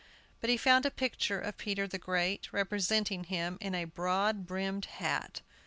But he found a picture of Peter the Great, representing him in a broad brimmed hat.